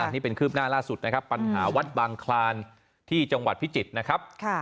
นี่เป็นคืบหน้าล่าสุดปัญหาวัดบางคลานที่จังหวัดพิจิตร